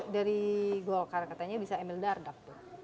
dari golkar katanya bisa emil dardak tuh